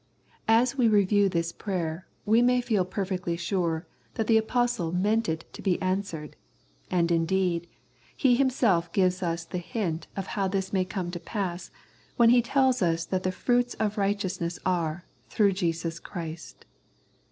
As we review this prayer we may feel per fectly sure that the Apostle meant it to be 136 Love and Discernment answered, and indeed, he himself gives us the hint of how this may come to pass when he tells us that the fruits of righteousness are " through Jesus Christ."